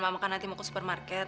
mama kan nanti mau ke supermarket